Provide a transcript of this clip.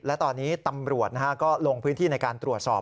และตอนนี้ตำรวจก็ลงพื้นที่ในการตรวจสอบ